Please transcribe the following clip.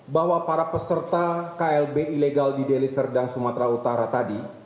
bahwa para peserta klb ilegal di deli serdang sumatera utara tadi